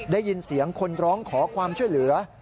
ได้ยินเสียงคนร้องขอความช่วยเหลือ